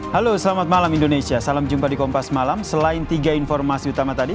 halo selamat malam indonesia salam jumpa di kompas malam selain tiga informasi utama tadi